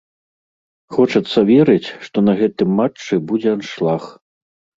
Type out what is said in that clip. Хочацца верыць, што на гэтым матчы будзе аншлаг.